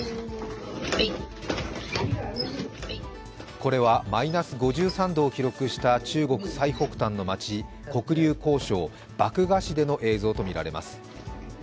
これはマイナス５３度を記録した中国最北端の町黒竜江省漠河市での映像とみられます。